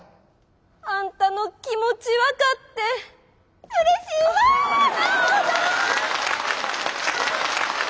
あんたの気持ち分かってうれしいわ直どん！